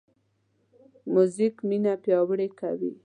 موزیک مینه پیاوړې کوي.